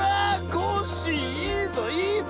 コッシーいいぞいいぞ！